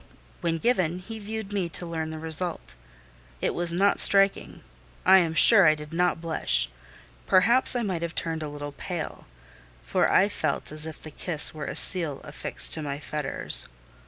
When given, he viewed me to learn the result; it was not striking: I am sure I did not blush; perhaps I might have turned a little pale, for I felt as if this kiss were a seal affixed to my fetters.